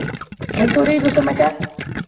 هل تريد سمكاً ؟